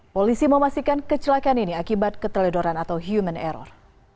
polisi memastikan kecelakaan ini akibat keteledoran atau human error